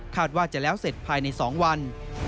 ว่าจะแล้วเสร็จภายใน๒วัน